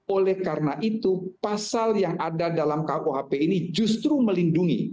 oleh karena itu pasal yang ada dalam kuhp ini justru melindungi